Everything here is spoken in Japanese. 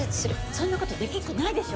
そんなことできっこないでしょ。